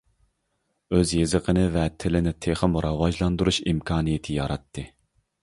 ئۆز يېزىقىنى ۋە تىلىنى تېخىمۇ راۋاجلاندۇرۇش ئىمكانىيىتى ياراتتى.